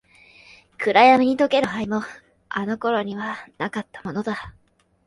暗闇に溶ける灰も、あの頃にはなかったものだ。